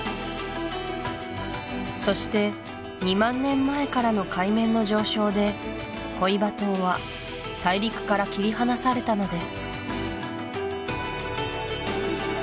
そして２万年前からの海面の上昇でコイバ島は大陸から切り離されたのです